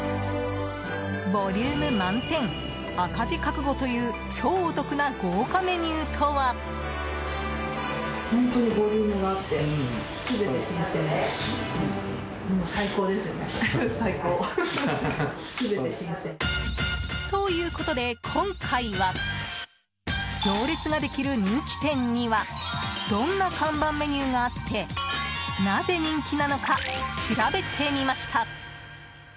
ボリューム満点、赤字覚悟という超お得な豪華メニューとは？ということで、今回は行列ができる人気店にはどんな看板メニューがあってなぜ人気なのか調べてみました。